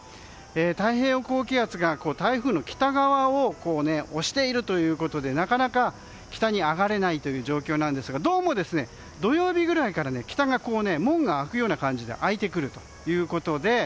太平洋高気圧が台風の北側を押しているのでなかなか北に上がれない状況ですがどうも土曜日ぐらいから北が門が開くような形で開いてくるということで。